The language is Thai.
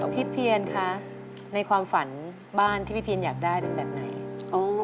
เพียนคะในความฝันบ้านที่พี่เพียนอยากได้เป็นแบบไหน